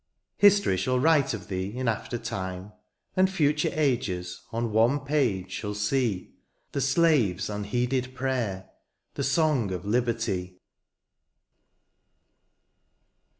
History shall write of thee in after time ; And future ages on one page shall see The slaveys unheeded prayer, — the song of liberty